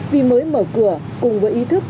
vì mới mở cửa cùng với ý thức